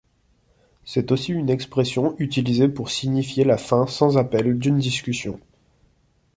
C'est aussi une expression utilisée pour signifier la fin sans appel d'une discussion.